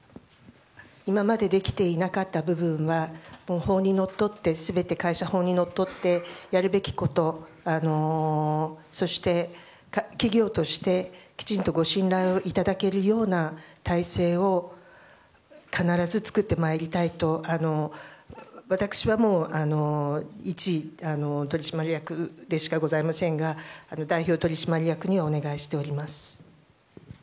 今までできていなかった部分は全て、会社法にのっとってやるべきことそして企業として、きちんとご信頼をいただけるような体制を必ず作って参りたいと私は一取締役でしかございませんが代表取締役にお願いしております。